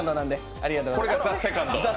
ありがとうございます。